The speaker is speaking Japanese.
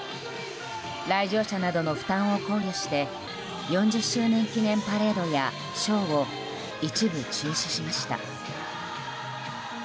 来場者などの負担を考慮して４０周年記念パレードやショーを、一部中止しました。